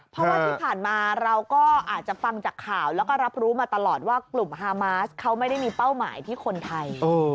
เพราะว่าที่ผ่านมาเราก็อาจจะฟังจากข่าวแล้วก็รับรู้มาตลอดว่ากลุ่มฮามาสเขาไม่ได้มีเป้าหมายที่คนไทย